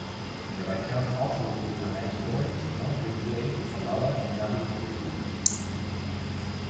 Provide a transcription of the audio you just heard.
Nearby towns also include Hermanusdorings, Melkrivier, Palala and Naboomspruit.